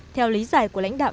theo lý giải của lãnh đạo